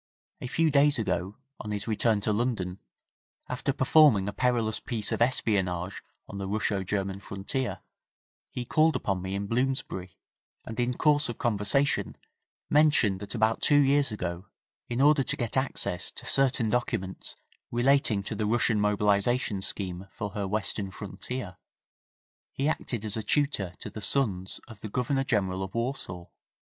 A few days ago, on his return to London, after performing a perilous piece of espionage on the Russo German frontier, he called upon me in Bloomsbury, and in course of conversation, mentioned that about two years ago, in order to get access to certain documents relating to the Russian mobilisation scheme for her western frontier, he acted as tutor to the sons of the Governor General of Warsaw.